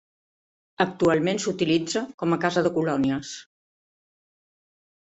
Actualment s'utilitza com a casa de colònies.